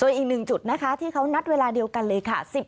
อีกหนึ่งจุดนะคะที่เขานัดเวลาเดียวกันเลยค่ะ